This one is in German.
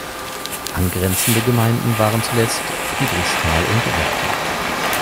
Angrenzende Gemeinden waren zuletzt Friedrichsthal und Werther.